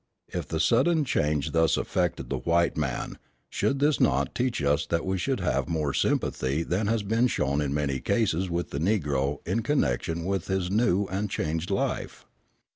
If the sudden change thus affected the white man, should this not teach us that we should have more sympathy than has been shown in many cases with the Negro in connection with his new and changed life?